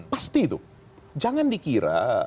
pasti itu jangan dikira